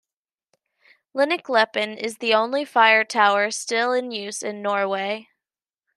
Linnekleppen is the only fire tower still in use in Norway.